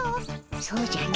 そうじゃの。